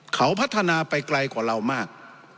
เขาพัฒนาไปไกลกว่าเรามาก